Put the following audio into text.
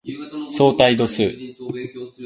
相対度数